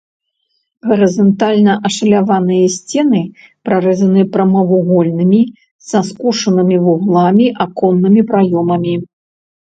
Гарызантальна ашаляваныя сцены прарэзаны прамавугольнымі са скошанымі вугламі аконнымі праёмамі.